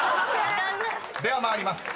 ［では参ります。